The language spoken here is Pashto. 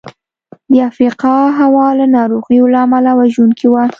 د افریقا هوا له ناروغیو له امله وژونکې وه.